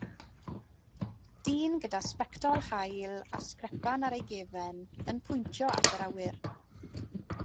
Dyn gyda sbectol haul a sgrepan ar ei gefn yn pwyntio at yr awyr.